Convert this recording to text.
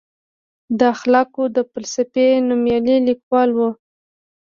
د اخلاقو د فلسفې نوميالی لیکوال و.